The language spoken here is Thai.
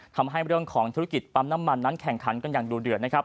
ทำให้เรื่องของธุรกิจปั๊มน้ำมันนั้นแข่งขันกันอย่างดูเดือดนะครับ